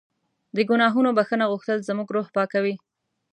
د ګناهونو بښنه غوښتل زموږ روح پاکوي.